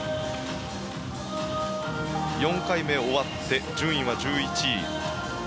４回目終わって順位は１１位。